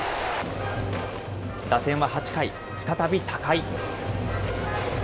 打線は８回、再び高井。